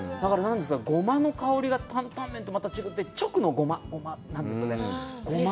ゴマの香りが担々麺とまた違って、直のゴマなんですよね。